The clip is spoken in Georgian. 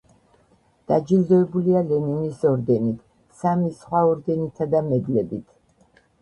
დაჯილდოებულია ლენინის ორდენით, სამი სხვა ორდენითა და მედლებით.